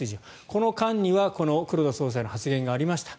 この間には黒田総裁の発言もありました。